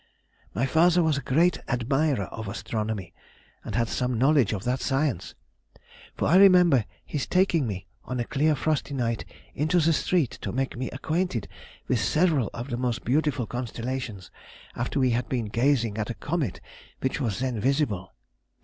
My father was a great admirer of astronomy, and had some knowledge of that science; for I remember his taking me, on a clear frosty night, into the street, to make me acquainted with several of the most beautiful constellations, after we had been gazing at a comet which was then visible.